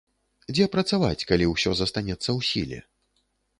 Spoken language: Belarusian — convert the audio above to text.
Дзе працаваць, калі ўсё застанецца ў сіле?